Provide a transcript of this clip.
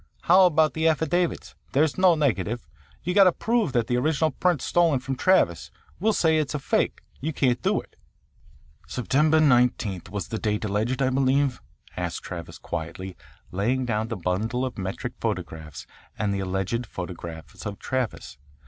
"How about the affidavits? There's no negative. You've got to prove that the original print stolen from Travis, we'll say, is a fake. You can't do it." "September 19th was the date alleged, I believe?" asked Kennedy quietly, laying down the bundle of metric photographs and the alleged photographs of Travis.